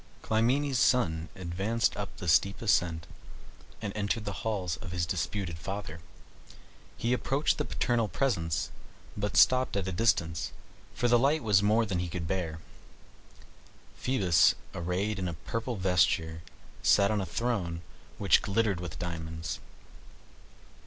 Clymene's son advanced up the steep ascent, and entered the halls of his disputed father. He approached the paternal presence, but stopped at a distance, for the light was more than he could bear. Phoebus, arrayed in a purple vesture, sat on a throne, which glittered as with diamonds.